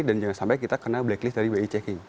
dan jangan sampai kita kena blacklist dari bi checking